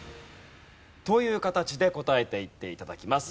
という形で答えていって頂きます。